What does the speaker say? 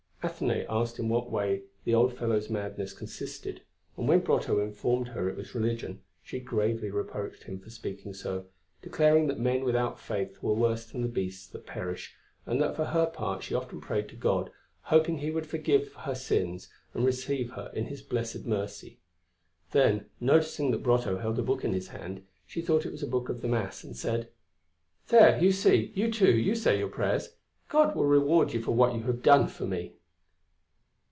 Athenaïs asked in what the old fellow's madness consisted; and when Brotteaux informed her it was religion, she gravely reproached him for speaking so, declaring that men without faith were worse than the beasts that perish and that for her part she often prayed to God, hoping He would forgive her her sins and receive her in His blessed mercy. Then, noticing that Brotteaux held a book in his hand, she thought it was a book of the Mass and said: "There you see, you too, you say your prayers! God will reward you for what you have done for me."